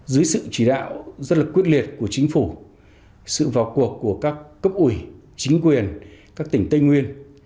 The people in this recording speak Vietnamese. dưới sự chỉ đạo rất là quyết liệt của chính phủ sự vào cuộc của các cấp ủy chính quyền các tỉnh tây nguyên